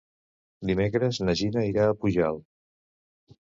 Dimecres na Gina irà a Pujalt.